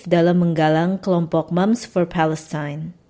dalam menggalang kelompok mums for palestine